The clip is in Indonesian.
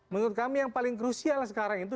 menurut kami yang paling krusial sekarang itu